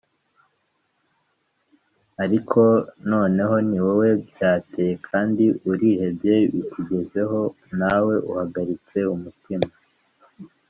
ariko noneho ni wowe byateye kandi urihebye, bikugezeho nawe uhagaritse umutima